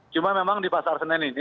cuma memang di pasar senen ini